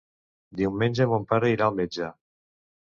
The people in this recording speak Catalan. Diumenge mon pare irà al metge.